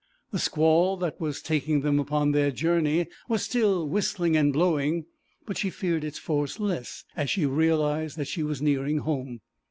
The squall that was taking them upon their journey was still whistling and blowing, but she feared its force less as she realised that she was nearing home.